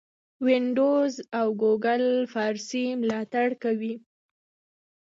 وینډوز او ګوګل فارسي ملاتړ کوي.